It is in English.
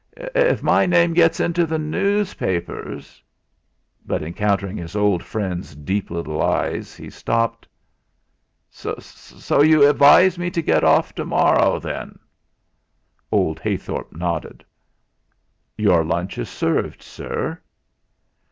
If my name gets into the newspapers " but encountering his old friend's deep little eyes, he stopped. "So you advise me to get off to morrow, then?" Old Heythorp nodded. "Your lunch is served, sir."